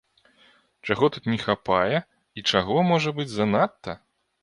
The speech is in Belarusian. Чаго тут не хапае і чаго, можа быць, занадта?